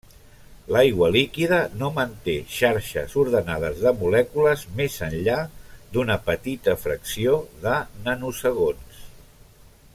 L'aigua líquida no manté xarxes ordenades de molècules més enllà d'una petita fracció de nanosegons.